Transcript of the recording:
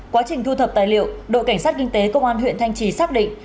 quá trình thu thập tài liệu đội cảnh sát kinh tế công an huyện thanh trì xác định